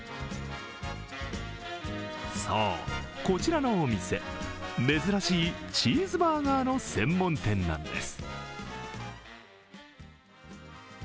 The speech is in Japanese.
そう、こちらのお店、珍しいチーズバーガーの専門店なんです。